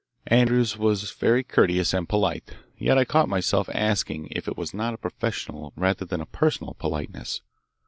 Andrews was very courteous and polite, yet I caught myself asking if it was not a professional rather than a personal politeness.